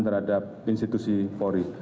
terhadap institusi polri